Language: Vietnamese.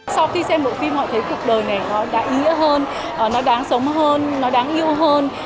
sau khi xem bộ phim họ thấy cuộc đời này nó đã ý nghĩa hơn nó đáng sống hơn nó đáng yêu hơn